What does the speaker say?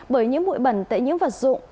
bởi những bụi bẩn tại những vật dụng